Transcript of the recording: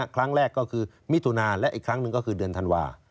ครั้งแรกก็คือมิถุนาและอีกครั้งหนึ่งก็คือเดือนธันวา